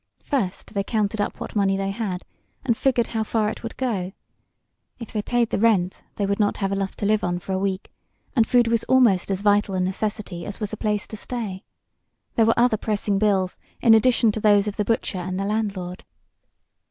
First they counted up what money they had, and figured how far it would go. If they paid the rent they would not have enough to live on for a week, and food was almost as vital a necessity as was a place to stay. There were other pressing bills, in addition to those of the butcher and the landlord.